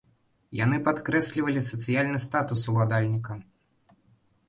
Яны падкрэслівалі сацыяльны статус ўладальніка.